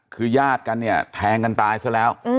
คือญาติกันเนี่ยแทงกันตายซะแล้ว